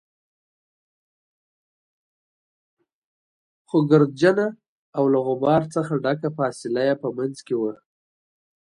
خو ګردجنه او له غبار څخه ډکه فاصله يې په منځ کې وه.